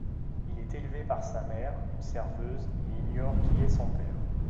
Il est élevé par sa mère, une serveuse, et ignore qui est son père.